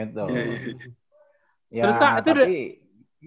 terus kak itu udah